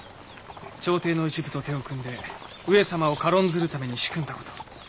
朝廷の一部と手を組んで上様を軽んずるために仕組んだ事。